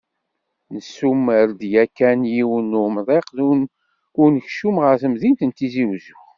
nesumer-d yakan yiwen n umḍiq n unekcum ɣar temdint n Tizi Uzzu.